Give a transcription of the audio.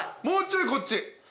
もうちょいこっち。